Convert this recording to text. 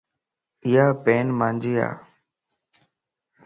ايا پين مانجي ا